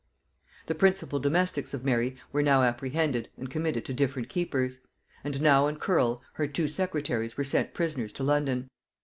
The principal domestics of Mary were now apprehended, and committed to different keepers; and Nau and Curl her two secretaries were sent prisoners to London.